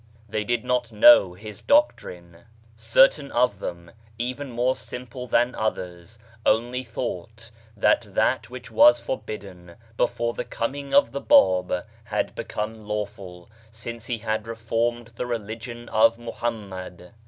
They did not know his doctrine ; certain 54 BAHAISM of them, even more simple than others, only thought that that which was for bidden before the coming of the Bab had become lawful, since he had reformed the religion of Muhammad.